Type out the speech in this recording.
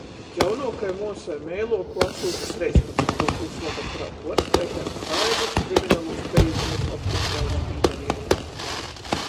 Jaunuokai muosai meiluokuo asūte treispadsmituo puslopa, kurā puorskaiteit, kaidus kriminalūs peizumus otkon ļauds, pīdarejuši.